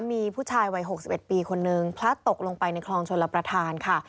มีผู้ชายวัย๖๑ปีคนนึงพลัดตกลงไปในคลองชลประธานค่ะ